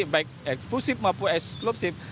baik eksklusif maupun eksklupsif